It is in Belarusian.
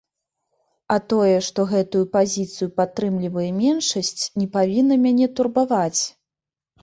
А тое, што гэтую пазіцыю падтрымлівае меншасць, не павінна мяне турбаваць.